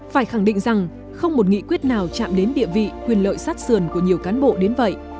phải khẳng định rằng không một nghị quyết nào chạm đến địa vị quyền lợi sát sườn của nhiều cán bộ đến vậy